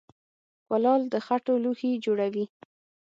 کولال د خټو لوښي جوړوي